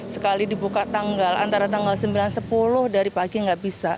sekali dibuka tanggal antara tanggal sembilan sepuluh dari pagi nggak bisa